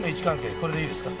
これでいいですか？